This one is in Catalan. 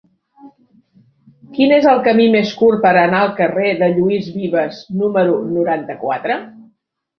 Quin és el camí més curt per anar al carrer de Lluís Vives número noranta-quatre?